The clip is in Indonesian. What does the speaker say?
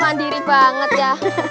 mandiri banget ya